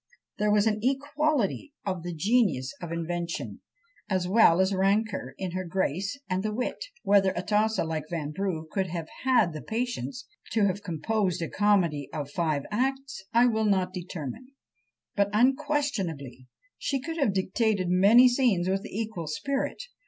There was an equality of the genius of invention, as well as rancour, in her grace and the wit: whether Atossa, like Vanbrugh, could have had the patience to have composed a comedy of five acts I will not determine; but unquestionably she could have dictated many scenes with equal spirit.